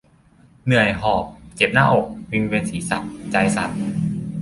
เหนื่อยหอบ เจ็บหน้าอก วิงเวียนศีรษะ ใจสั่น